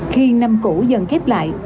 khi năm cũ dần kép lại